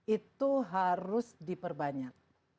itu harus diperbanyak